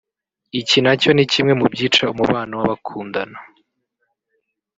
Iki nacyo ni kimwe mu byica umubano w’abakundana